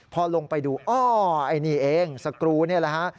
พอลงไปดูอ้อไอ้นี่เองสกรูนี่แหละฮะ